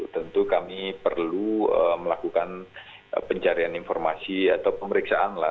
tentu kami perlu melakukan pencarian informasi atau pemeriksaan